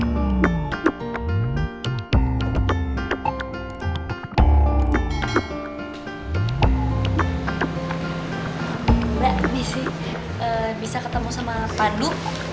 enggak ini sih bisa ketemu sama pandu